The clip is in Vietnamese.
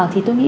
thì tôi nghĩ